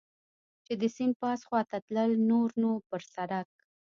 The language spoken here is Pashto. چې د سیند پاس خوا ته تلل، نور نو پر سړک.